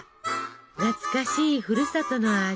懐かしいふるさとの味